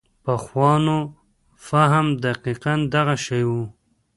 پخوانو فهم دقیقاً دغه شی و.